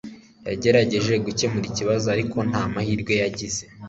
Yagerageje gukemura ikibazo, ariko nta mahirwe yagize.